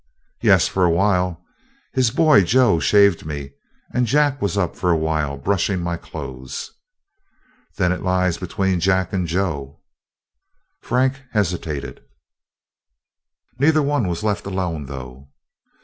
"Yes, for a while. His boy, Joe, shaved me, and Jack was up for a while brushing my clothes." "Then it lies between Jack and Joe?" Frank hesitated. "Neither one was left alone, though."